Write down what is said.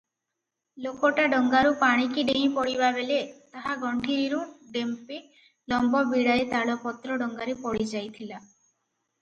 ଲୋକଟା ଡଙ୍ଗାରୁ ପାଣିକି ଡେଇଁ ପଡ଼ିବାବେଳେ ତାହା ଗଣ୍ଠିରିରୁ ଡେମ୍ପେ ଲମ୍ବ ବିଡ଼ାଏ ତାଳପତ୍ର ଡଙ୍ଗାରେ ପଡ଼ିଯାଇଥିଲା ।